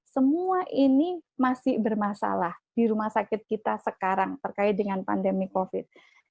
semua ini masih bermasalah di rumah sakit kita sekarang terkait dengan pandemi covid